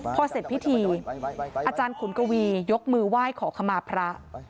พอเสร็จพิธีอาจารย์ขุนกวียกมือไหว้ขอขมาพระ